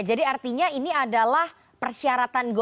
jadi artinya ini adalah persyaratannya